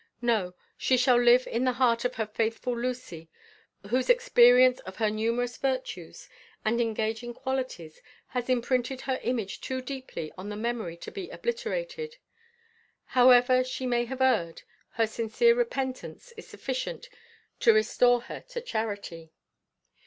No; she shall still live in the heart of her faithful Lucy, whose experience of her numerous virtues and engaging qualities has imprinted her image too deeply on the memory to be obliterated. However she may have erred, her sincere repentance is sufficient to restore her to charity.